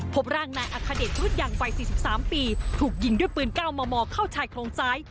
พบร่างนายอาคเดชรุดยังวัยสี่สิบสามปีถูกยิงด้วยปืนเก้ามามอเข้าชายครองซ้าย